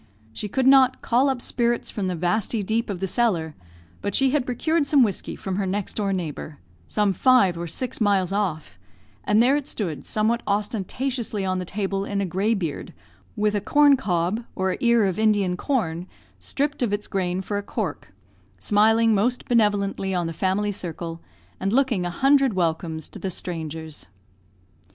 She could not "call up spirits from the vasty deep" of the cellar, but she had procured some whiskey from her next door neighbour some five or six miles off, and there it stood somewhat ostentatiously on the table in a "greybeard," with a "corn cob," or ear of Indian corn, stripped of its grain, for a cork, smiling most benevolently on the family circle, and looking a hundred welcomes to the strangers.